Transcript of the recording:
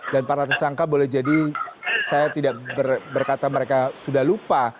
dan para tersangka boleh jadi saya tidak berkata mereka sudah lupa